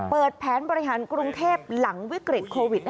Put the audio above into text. เปิดแผนบริหารกรุงเทพหลังวิกฤตโควิด